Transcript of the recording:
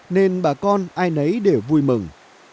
nên bà con ai nấy để vui mừng